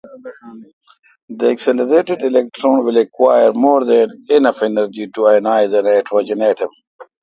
The accelerated electron will acquire more than enough energy to ionize a nitrogen atom.